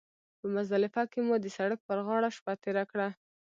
په مزدلفه کې مو د سړک پر غاړه شپه تېره کړه.